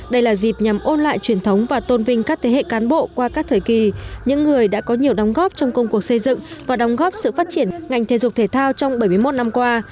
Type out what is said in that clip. đây là dịp nhằm ôn lại truyền thống và tôn vinh các thế hệ cán bộ qua các thời kỳ những người đã có nhiều đóng góp trong công cuộc xây dựng và đóng góp sự phát triển ngành thể dục thể thao trong bảy mươi một năm qua